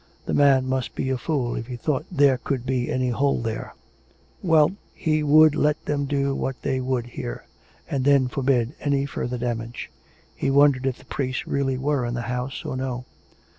The man must be a fool if he thought there could be any hole there !... Well ; he would let them do what they would here; and then forbid any further damage. ... He wondered if the priest really were in the house or no.